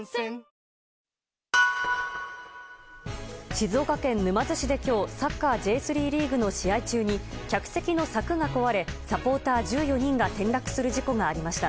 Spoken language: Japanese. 静岡県沼津市で今日サッカーＪ３リーグの試合中に客席の柵が壊れサポーター１４人が転落する事故がありました。